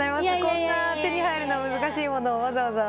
こんな手に入るの難しいものをわざわざ。